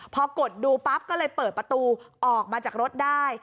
พอกดดูปั๊บก็เลยเปิดประตูออกมาจากรถได้